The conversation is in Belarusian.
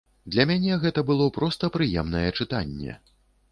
Для мяне гэта было проста прыемнае чытанне.